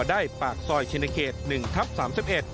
ได้ปากซอยชินเขต๑ทับ๓๑